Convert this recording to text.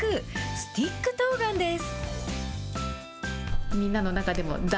スティックとうがんです。